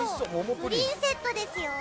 プリンセットですよ。